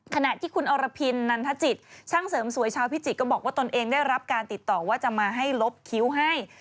ขณะที่คุณอรพินนันทจิตช่างเสริมสวยชาวพิจิตรก็บอกว่าตนเองได้รับการติดต่อว่าจะมาให้ลบคิ้วให้